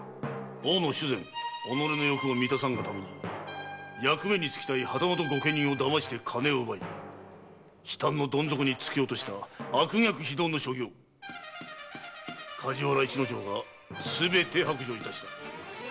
己の欲を満たさんがために役目につきたい旗本御家人を騙して金を奪い悲嘆のどん底に突き落とした悪逆非道の所業梶原市之丞がすべて白状いたした。